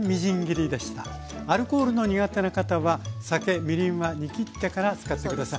アルコールの苦手な方は酒みりんは煮きってから使って下さい。